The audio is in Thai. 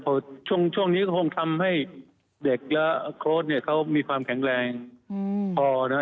เพราะช่วงนี้ก็คงทำให้เด็กและโค้ดเนี่ยเขามีความแข็งแรงพอนะ